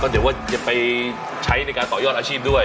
เดี๋ยวว่าจะไปใช้ในการต่อยอดอาชีพด้วย